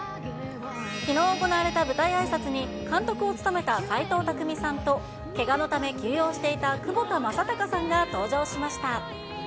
きのう行われた舞台あいさつに監督を務めた齊藤工さんと、けがのため休養していた窪田正孝さんが登場しました。